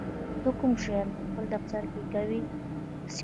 ته کوم شیان په خپل دفتر کې کوې؟